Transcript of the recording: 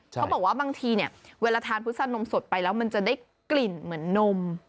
เขาบอกว่าบางทีเนี่ยเวลาทานพุษานมสดไปแล้วมันจะได้กลิ่นเหมือนนม